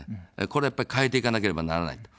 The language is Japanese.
これはやっぱり変えていかなければならない。